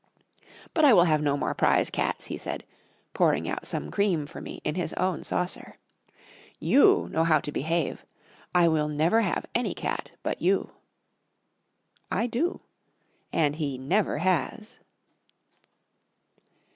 "But I will have no more prize cats," he said, pouring out some cream for me in his own saucer. "You know how to behave; I will never have any cat but you." I do, and he never has.